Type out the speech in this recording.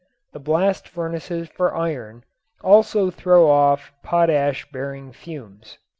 The blast furnaces for iron also throw off potash bearing fumes.